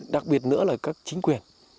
đặc biệt nữa là các chính quyền